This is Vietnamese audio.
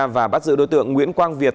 và bắt giữ đối tượng nguyễn quang việt